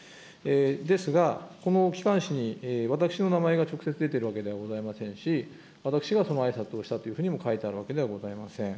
ですが、この機関誌に私の名前が直接出ているわけではございませんし、私がそのあいさつをしたというふうにも書いてあるわけではございません。